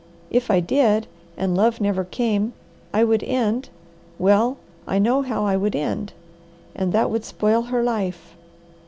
If I did, and love never came, I would end well, I know how I would end and that would spoil her life.